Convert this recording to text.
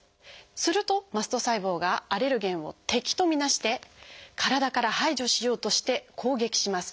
するとマスト細胞がアレルゲンを敵と見なして体から排除しようとして攻撃します。